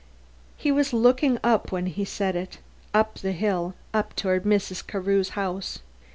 He was looking up when he said it, up the hill, up toward Mrs. Carew's house.